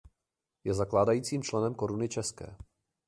Je zakládajícím členem Koruny České.